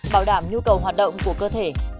bảo đảm nhu cầu hoạt động của cơ thể